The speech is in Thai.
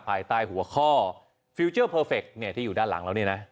ภายใต้หัวข้อที่อยู่ด้านหลังแล้วนี่น่ะ